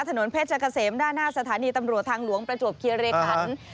ถนนเพชรเกษมด้านหน้าสถานีตำรวจทางหลวงประจวบคิริขัน